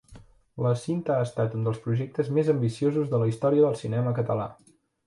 La cinta ha estat un dels projectes més ambiciosos de la història del cinema català.